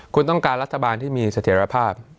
คุณต้องการรัฐบาลที่มีเสถียรภาพ